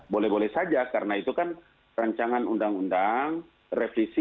boleh boleh saja karena itu kan rancangan undang undang revisi